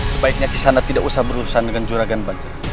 sebaiknya kisana tidak usah berurusan dengan juragan baca